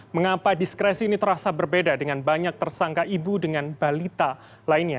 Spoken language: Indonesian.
mengapa diskresi ini terasa berbeda dengan banyak tersangka ibu dengan balita lainnya